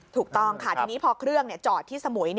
ถูกต้องค่ะทีนี้พอเครื่องจอดที่สมุย